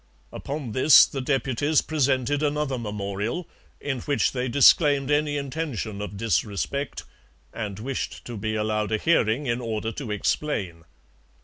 Upon this the deputies presented another memorial, in which they disclaimed any intention of disrespect, and wished to be allowed a hearing in order to explain.